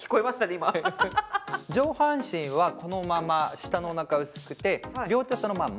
今上半身はこのまま下のおなか薄くて両手そのまま